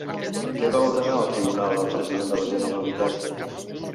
Què va ordenar el Tribunal al president de la Generalitat?